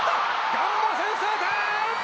ガンバ先制点！